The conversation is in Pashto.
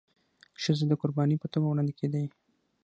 ښځي د قرباني په توګه وړاندي کيدي.